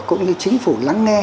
cũng như chính phủ lắng nghe